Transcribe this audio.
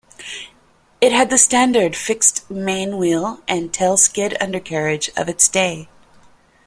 It had the standard fixed main wheel and tail-skid undercarriage of its day.